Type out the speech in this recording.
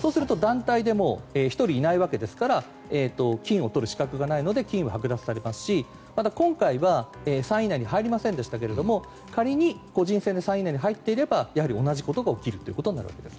そうすると団体でも１人いないわけですから金をとる資格がないので金ははく奪されますし今回は３位以内に入りませんでしたが仮に、個人戦で３位以内に入っていれば同じことが起きるということになるわけです。